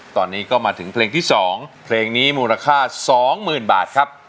ตอนนี้ก็มาถึงเพลงที่สองเพลงนี้มูลค่าสองหมื่นบาทครับ